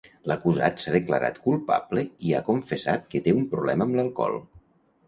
L'acusat s'ha declarat culpable i ha confessat que té un problema amb l'alcohol.